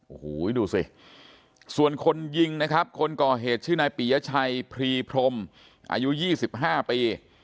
โอ้โหดูสิส่วนคนยิงนะครับคนก่อเหตุชื่อนายปียชัยพรีพรมอายุ๒๕ปี